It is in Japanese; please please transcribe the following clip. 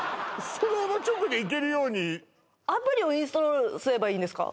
そのまま直で行けるようにアプリをインストールすればいいんですか？